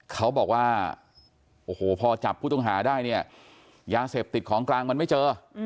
เขาบอกว่าโอ้โหพอจับผู้ต้องหาได้เนี่ยยาเสพติดของกลางมันไม่เจอ